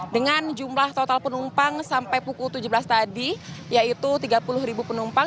dengan jumlah total penumpang sampai pukul tujuh belas tadi yaitu tiga puluh penumpang